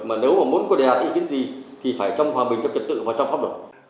mà nếu mà muốn có đề đạt ý kiến gì thì phải trong hòa bình trong trật tự và trong pháp luật